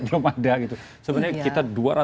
belum ada gitu sebenarnya kita